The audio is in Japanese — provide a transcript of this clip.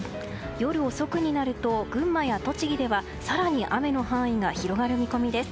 夜遅くになると群馬や栃木では更に雨の範囲が広がる見込みです。